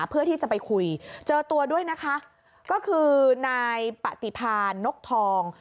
เพื่อที่จะไปคุยเจอตัวด้วยนะคะก็คือนายปฏิพานกทอง